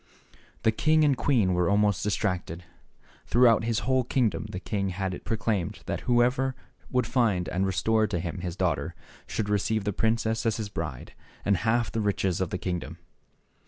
The king and queen were almost distracted. Throughout his whole kingdom the king had it proclaimed that whosoever would And and restore 66 THE SHEPHEIW BOY. to him his daughter should receive the princess as his bride and half the riches of the kingdom.